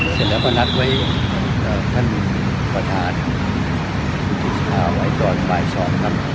เสร็จแล้วก็นักไว้ท่านผู้จิตสภาว์ไว้ก่อนบ่ายสอบนั้น